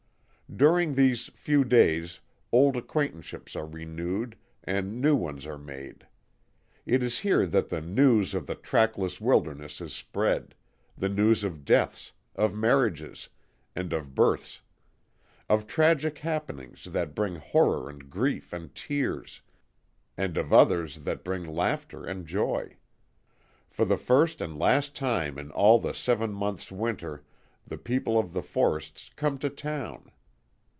During these few days old acquaintanceships are renewed and new ones are made. It is here that the "news" of the trackless wilderness is spread, the news of deaths, of marriages, and of births; of tragic happenings that bring horror and grief and tears, and of others that bring laughter and joy. For the first and last time in all the seven months' winter the people of the forests "come to town."